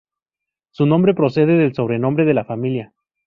Su nombre procede del sobrenombre de la familia.